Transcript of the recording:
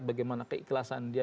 bagaimana keikhlasan dia